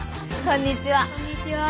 こんにちは。